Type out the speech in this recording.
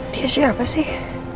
dia siapa sih